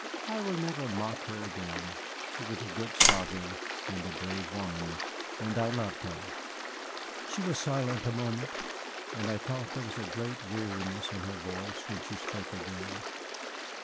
"I will never mock her again. She was a good sovereign and a brave woman, and I loved her." She was silent a moment, and I thought there was a great weariness in her voice when she spoke again.